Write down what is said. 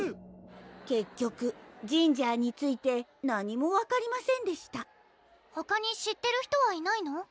結局ジンジャーについて何も分かりませんでしたほかに知ってる人はいないの？